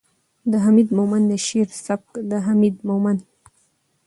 ، د حميد مومند د شعر سبک ،د حميد مومند